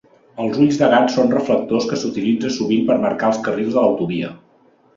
Els ulls de gat són reflectors que s'utilitza sovint per marcar els carrils de l'autovia